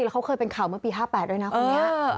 เค้าเคยเป็นข่าวเมื่อปี๕๘ด้วยนะคุณเนี่ย